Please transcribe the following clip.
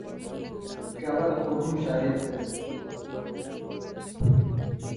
پیاله د خوبونو شاهد ده.